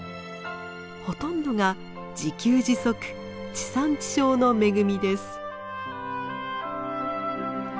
ほとんどが自給自足地産地消の恵みです。